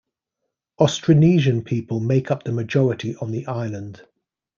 Austronesian people make up the majority on the island.